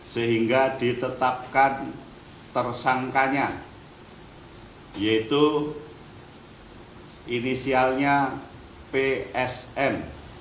sehingga ditetapkan tersangkanya yaitu inisialnya psm